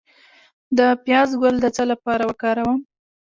د پیاز ګل د څه لپاره وکاروم؟